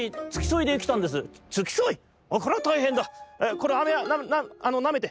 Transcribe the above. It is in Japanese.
このあめなめて。